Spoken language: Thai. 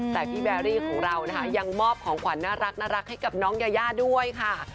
แต่พี่แบรี่ของเรานะคะยังมอบของขวัญน่ารักให้กับน้องยายาด้วยค่ะ